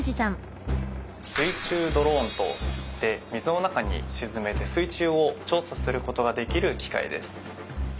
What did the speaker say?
水中ドローンと言って水の中に沈めて水中を調査することができる機械です。